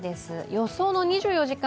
予想の２４時間